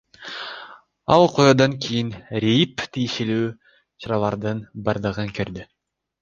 Ал окуядан кийин РИИБ тиешелүү чаралардын бардыгын көрдү.